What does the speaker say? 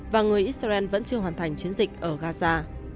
và người israel vẫn chưa hoàn thành chiến dịch ở gaza